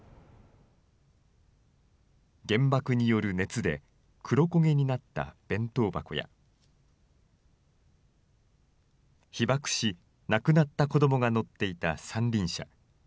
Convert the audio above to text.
原爆による熱で、黒焦げになった弁当箱や、被爆し、亡くなった子どもが乗っていた三輪車。